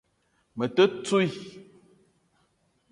Me te ntouii